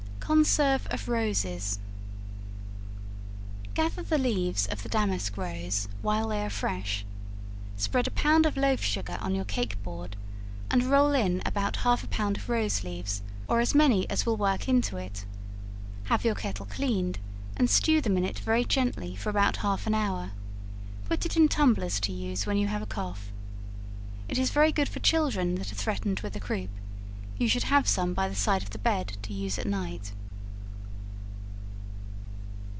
Conserve of Roses. Gather the leaves of the damask rose, while they are fresh; spread a pound of loaf sugar on your cake board, and roll in about half a pound of rose leaves, or as many as will work into it, have your kettle cleaned, and stew them in it very gently for about half an hour; put it in tumblers to use when you have a cough. It is very good for children that are threatened with the croup; you should have some by the side of the bed to use at night.